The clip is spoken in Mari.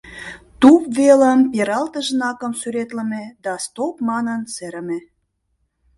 Туп велым пералтыш знакым сӱретлыме да «стоп» манын серыме.